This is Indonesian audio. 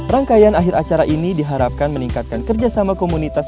rangkaian akhir acara ini diharapkan meningkatkan kerjasama komunitas